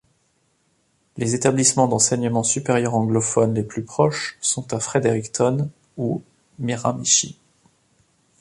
Les établissements d'enseignement supérieurs anglophones les plus proches sont à Fredericton ou Miramichi.